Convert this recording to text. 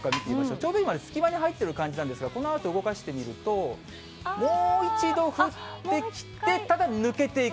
ちょうど今、隙間に入っている感じなんですが、このあと動かしてみると、もう一度降ってきて、ただ抜けていく。